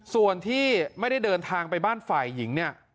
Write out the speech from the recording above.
ส่วนที่ไม่ได้เดินทางไปบ้านฝ่ายหญิงเนี่ย